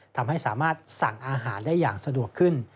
ทำให้สามารถสั่งอาหารได้อย่างสะดวกขึ้น